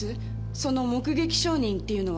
その目撃証人っていうのは。